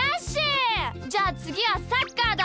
じゃあつぎはサッカーだ！